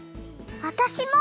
わたしも！